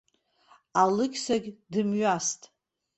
Алықьсагьдымҩаст.